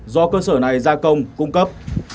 do cơ sở này gia công cung cấp